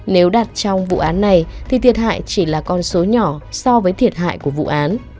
nếu đặt trong vụ án này thì thiệt hại chỉ là con số nhỏ so với thiệt hại của vụ án